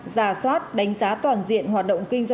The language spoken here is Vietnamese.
giả soát đánh giá toàn diện hoạt động